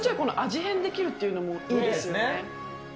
変できるっていうのもいいですよね。